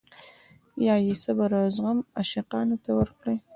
یا یې صبر او زغم عاشقانو ته ورکړی.